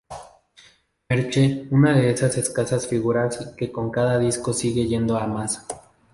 Merche: una de esas escasas figuras que con cada disco sigue yendo a más.